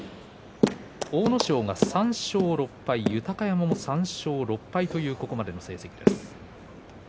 阿武咲が３勝６敗豊山も３勝６敗というここまでの成績です。